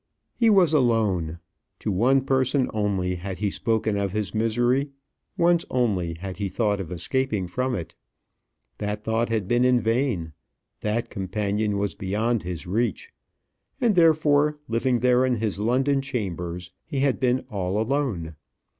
He was alone; to one person only had he spoken of his misery; once only had he thought of escaping from it. That thought had been in vain: that companion was beyond his reach; and, therefore, living there in his London chambers, he had been all alone.